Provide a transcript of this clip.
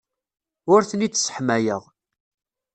Ur ten-id-sseḥmayeɣ.